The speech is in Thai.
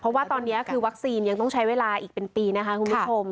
เพราะว่าตอนนี้คือวัคซีนยังต้องใช้เวลาอีกเป็นปีนะคะคุณผู้ชม